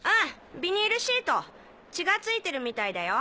ビニールシート血がついてるみたいだよ！